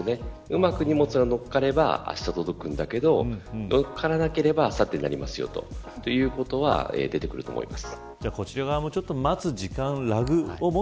うまく荷物が載っかればあした届くんだけど載っからなければあさってになりますよということは出てくると思います。